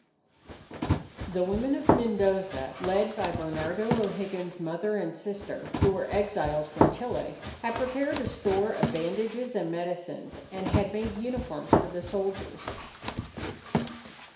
The women of Mendoza, led by Bernardo O'Higgins's mother and sister who were exiles from Chile, had prepared a store of bandages and medicines, and had made uniforms for the soldiers.